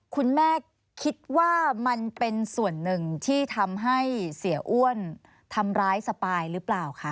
คุณแม่คิดว่ามันเป็นส่วนหนึ่งที่ทำให้เสียอ้วนทำร้ายสปายหรือเปล่าคะ